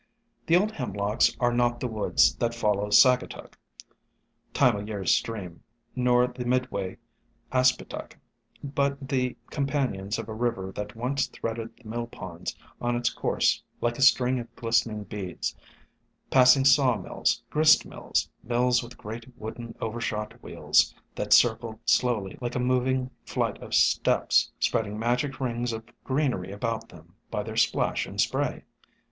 The Old Hemlocks are not the woods that follow Saugatuck, Time o' Year's stream, nor the midway Aspetuck, but the companions of a river that once threaded the mill ponds on its course like a string of glistening beads, passing saw mills, grist mills, mills with great wooden overshot wheels that circled slowly like a moving flight of steps, spreading magic rings of greenery about them by their splash and spray.